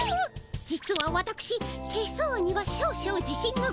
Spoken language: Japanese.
実はわたくし手相には少々自信がございまして。